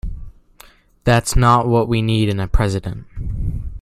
That's not what we need in a president.